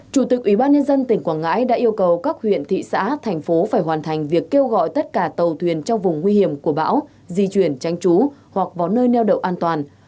chủ tịch ubnd tỉnh quảng ngãi đã yêu cầu các huyện thị xã thành phố phải hoàn thành việc kêu gọi tất cả tàu thuyền trong vùng nguy hiểm của bão di chuyển tranh trú hoặc vào nơi neo đậu an toàn